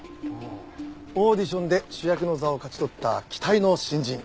オーディションで主役の座を勝ち取った期待の新人。